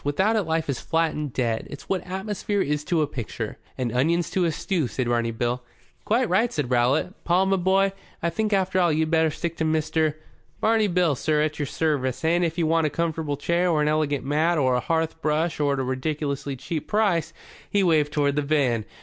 Without it life is flat and dead. It's what atmosphere is to a picture." "And onions to a stew," said Barney Bill. "Quite right," said Rowlatt. "Paul, my boy, I think after all you'd better stick to Mr. ?" "Barney Bill, sir, at your service. And, if you want a comfortable chair, or an elegant mat, or a hearth brush at a ridiculous cheap price" he waved toward the van.